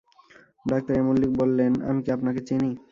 Doctor A Mallik বললেন, আমি কি আপনাকে চিনি?